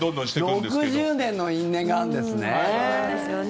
６０年の因縁があるんですね。